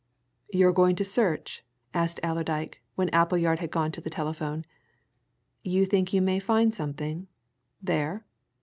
"You're going to search?" asked Allerdyke when Appleyard had gone to the telephone. "You think you may find something there?"